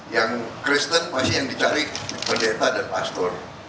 yang kristen pasti yang dicari pendeta dan paspor